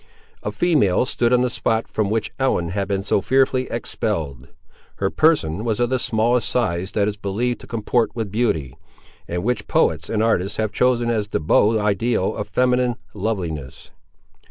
A female stood on the spot, from which Ellen had been so fearfully expelled. Her person was of the smallest size that is believed to comport with beauty, and which poets and artists have chosen as the beau ideal of feminine loveliness.